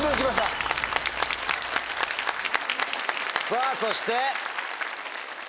さぁそして。